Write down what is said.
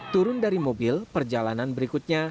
turun dari mobil perjalanan berikutnya